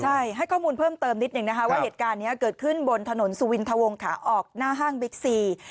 ใช่ให้ข้อมูลเพิ่มเติมนิดหนึ่งนะคะว่าเหตุการณ์นี้เกิดขึ้นบนถนนสุวินทะวงขาออกหน้าห้างบิ๊กซี